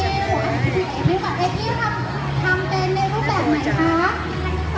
อัพพี่ครับทำเป็นในรูปแบบไหนคะ